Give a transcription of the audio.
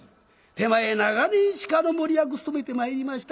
手前長年鹿の守り役務めてまいりました。